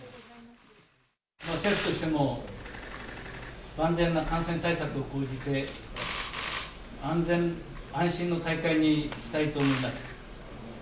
政府としても、万全な感染対策を講じて、安全安心の大会にしたいと思います。